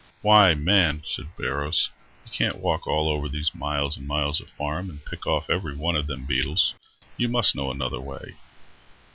"Why, man," said Barrows, "you can't walk all over these miles and miles of farm and pick off every one of them beetles. You must know another way."